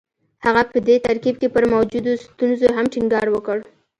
هغه په دې ترکيب کې پر موجودو ستونزو هم ټينګار وکړ.